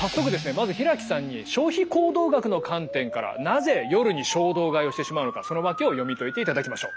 まず平木さんに消費行動学の観点からなぜ夜に衝動買いをしてしまうのかそのワケを読み解いていただきましょう。